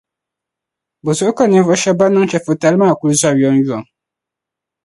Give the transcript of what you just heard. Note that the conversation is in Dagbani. Bo zuɣu ka ninvuɣ' shεba ban niŋ chεfuritali maa kuli zɔri yomyom?